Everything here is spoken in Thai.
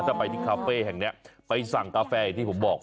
ถ้าไปที่คาเฟ่แห่งนี้ไปสั่งกาแฟอย่างที่ผมบอก